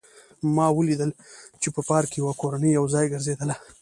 ما ولیدل چې په پارک کې یوه کورنۍ یو ځای ګرځېدله